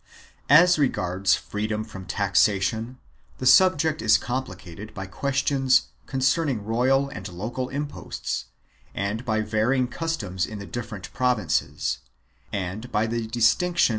As regards freedom from taxation, the subject is complicated by questions concerning royal and local imposts, by the varying customs in the different provinces, and by the distinction between 1 Novis.